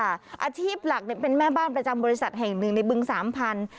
อาชีพหลักเป็นแม่บ้านประจำบริษัทแห่งหนึ่งในบึงสามพันธุ